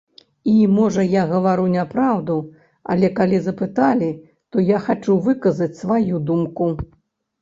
І, можа, я гавару няпраўду, але калі запыталі, то хачу выказаць сваю думку.